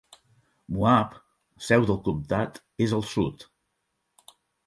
Moab, seu del comtat, és al sud.